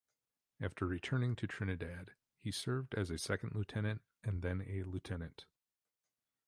After returning to Trinidad he served as a second lieutenant and then a lieutenant.